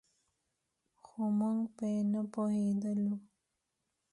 خو موږ پرې نه پوهېدلو.